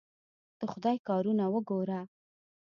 د خدای کارونه وګوره!